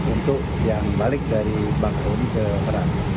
untuk yang balik dari bangkuri ke merak